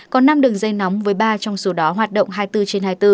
có năm đường dây nóng với ba trong số đó hoạt động hai mươi bốn trên hai mươi bốn